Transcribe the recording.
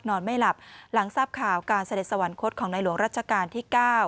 ไม่หลับหลังทราบข่าวการเสด็จสวรรคตของในหลวงรัชกาลที่๙